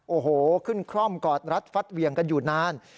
โอ้โหขึ้นคร่อมกอดรัดฟัดเหวี่ยงกันอยู่นาน